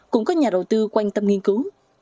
cũng có nhà đầu tư quan tâm nghiên cứu